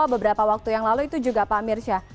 beberapa waktu yang lalu itu juga pak mirsya